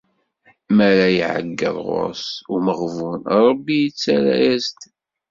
Mi ara iɛeyyeḍ ɣur-s umeɣbun, Rebbi ittarra-as-d.